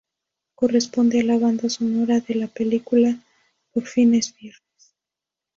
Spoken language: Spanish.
Corresponde a la banda sonora de la película "¡Por fin es Viernes!